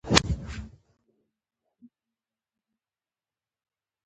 مچمچۍ د ګلونو خوا ته خوځېږي